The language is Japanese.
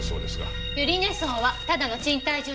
百合根荘はただの賃貸住宅。